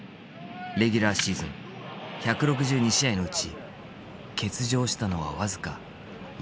レギュラーシーズン１６２試合のうち欠場したのは僅か４試合だった。